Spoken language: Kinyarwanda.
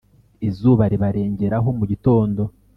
izuba ribarengeraho mu gitondo.